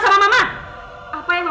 selamat tinggal budi